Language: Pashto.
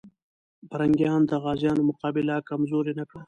پرنګیان د غازيانو مقابله کمزوري نه کړه.